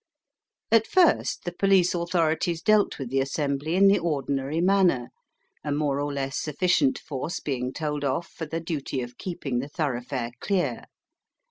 At first the police authorities dealt with the assembly in the ordinary manner, a more or less sufficient force being told off for the duty of keeping the thoroughfare clear.